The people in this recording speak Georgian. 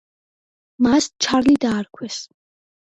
მას ჩარლი დაარქვეს.